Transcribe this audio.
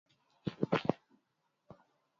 almaarufu sana hapa tanzania kama dell piero